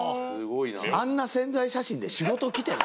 あんな宣材写真で仕事きてる？